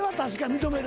認める。